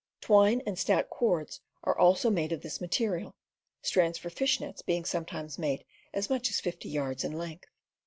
Twine and stout cords are also made of this material, strands for fish nets being sometimes made as much as fifty yards in length.